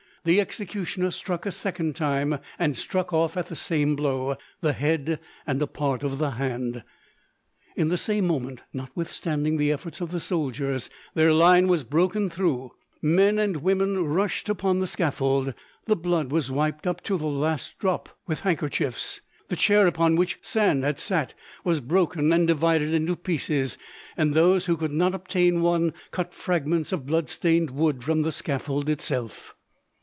The executioner struck a second time, and struck off at the same blow the head and a part of the hand. In the same moment, notwithstanding the efforts of the soldiers, their line was broken through; men and women rushed upon the scaffold, the blood was wiped up to the last drop with handkerchiefs; the chair upon which Sand had sat was broken and divided into pieces, and those who could not obtain one, cut fragments of bloodstained wood from the scaffold itself.